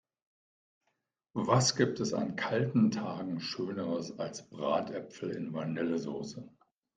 Was gibt es an kalten Tagen schöneres als Bratäpfel in Vanillesoße!